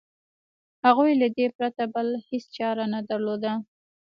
هغوی له دې پرته بله هېڅ چاره نه درلوده.